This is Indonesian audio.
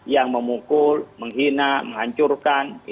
yang memukul menghina menghancurkan